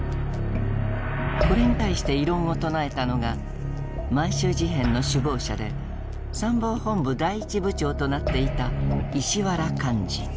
これに対して異論を唱えたのが満州事変の首謀者で参謀本部第一部長となっていた石原莞爾。